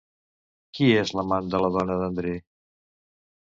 Qui és l'amant de la dona d'André?